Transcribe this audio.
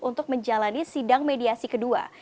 untuk menjalani sidang mediasi kedua